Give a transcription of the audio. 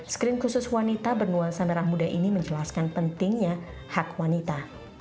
screen khusus wanita bernuansa merah muda ini menjelaskan pentingnya hak wanita